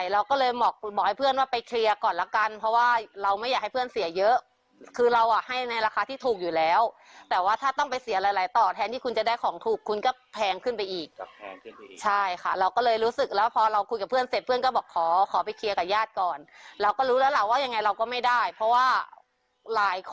เราก็เลยบอกให้เพื่อนว่าไปเคลียร์ก่อนละกันเพราะว่าเราไม่อยากให้เพื่อนเสียเยอะคือเราอ่ะให้ในราคาที่ถูกอยู่แล้วแต่ว่าถ้าต้องไปเสียหลายต่อแทนที่คุณจะได้ของถูกคุณก็แพงขึ้นไปอีกใช่ค่ะเราก็เลยรู้สึกแล้วพอเราคุยกับเพื่อนเสร็จเพื่อนก็บอกขอขอไปเคลียร์กับญาติก่อนเราก็รู้แล้วล่ะว่ายังไงเราก็ไม่ได้เพราะว่าหลายคน